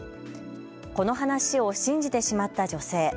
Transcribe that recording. この話を信じてしまった女性。